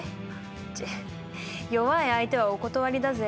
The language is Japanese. チッ弱い相手はお断りだぜ。